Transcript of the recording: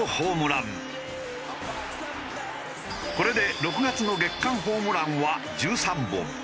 これで６月の月間ホームランは１３本。